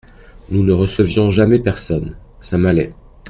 Nous ne recevions jamais personne… ça m’allait…